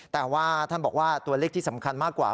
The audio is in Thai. แต่ว่าท่านบอกว่าตัวเลขที่สำคัญมากกว่า